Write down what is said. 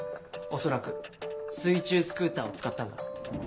恐らく水中スクーターを使ったんだ。